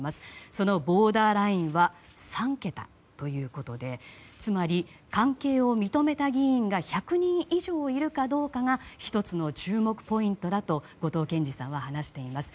そのボーダーラインは３桁ということでつまり関係を認めた議員が１００人以上いるかどうかが１つの注目ポイントだと後藤謙次さんは話しています。